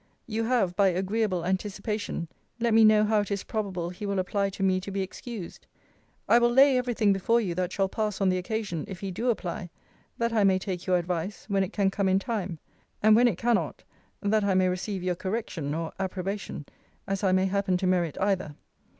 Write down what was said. You have, by agreeable anticipation, let me know how it is probable he will apply to me to be excused. I will lay every thing before you that shall pass on the occasion, if he do apply, that I may take your advice, when it can come in time; and when it cannot, that I may receive your correction, or approbation, as I may happen to merit either.